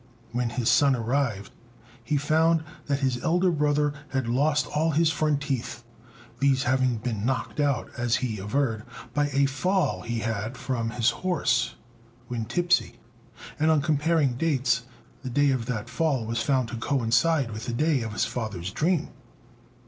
when his son arrived, he found that his elder brother had lost all his front teeth, these having been knocked out, as he averred, by a fall he had had from his horse when tipsy; and, on comparing dates, the day of that fall was found to coincide with the day of his father's dream.